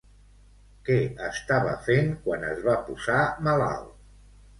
Què estava fent quan es va posar malalt?